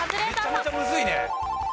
めちゃめちゃむずいね。